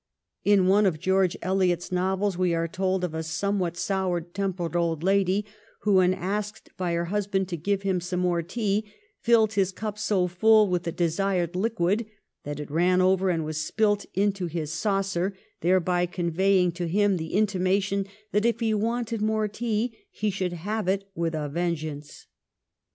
In one of George Eliot's novels we are told of a somewhat sour tempered old lady who, when asked by her husband to give him some more tea, filled his cup so full with the desired liquid that it ran over and was spilt into his saucer, thereby conveying to him the intimation that if he wanted more tea he should have it with a vengeance.